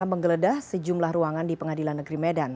menggeledah sejumlah ruangan di pengadilan negeri medan